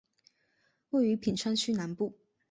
位于品川区南部。